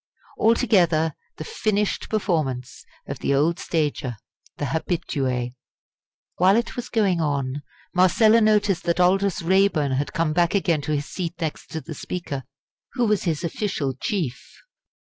Altogether, the finished performance of the old stager, the habitué. While it was going on, Marcella noticed that Aldous Raeburn had come back again to his seat next to the Speaker, who was his official chief.